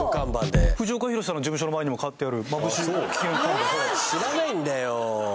藤岡弘、さんの事務所の前にもかかってるマムシ危険看板知らないんだよ